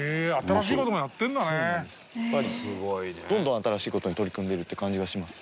やっぱりどんどん新しい事に取り組んでるって感じがします。